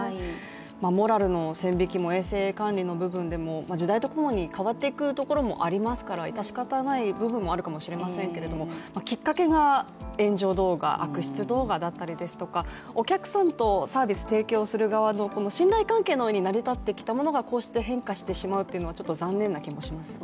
モラルの線引きも衛生管理の部分でも時代と共に変わっていくところもありますから致し方ない部分もあるかもしれませんけれども、きっかけが炎上動画、悪質動画だったりですとか、お客さんとサービス提供する側の信頼関係の上に成り立ってきたものがこうして変化してしまうのは残念な気もしますね。